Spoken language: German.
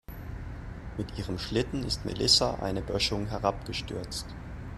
Mit ihrem Schlitten ist Melissa eine Böschung herabgestürzt.